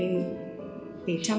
để chăm chảy lỗ của sống